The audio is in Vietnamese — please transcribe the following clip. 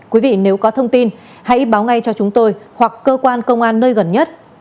quý vị nếu có thông tin hãy báo ngay cho chúng tôi hoặc cơ quan công an nơi gần nhất